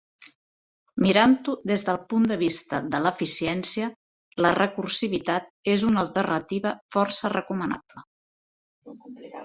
Mirant-ho des del punt de vista de l'eficiència, la recursivitat és una alternativa força recomanable.